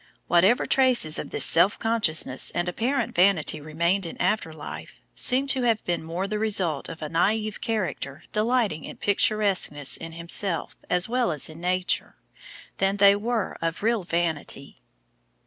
Whatever traces of this self consciousness and apparent vanity remained in after life, seem to have been more the result of a naïve character delighting in picturesqueness in himself as well as in Nature, than they were of real vanity.